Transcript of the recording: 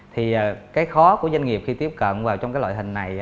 thì cái khó của doanh nghiệp khi tiếp cận vào trong cái loại hình này